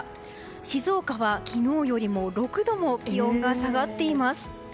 静岡は昨日よりも６度も気温が下がっています。